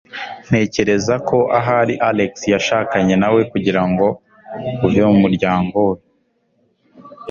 Ntekereza ko ahari Alex yashakanye nawe kugirango uve mumuryango we.